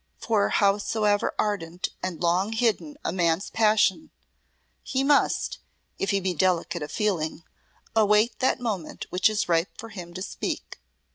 For howsoever ardent and long hidden a man's passion, he must, if he be delicate of feeling, await that moment which is ripe for him to speak.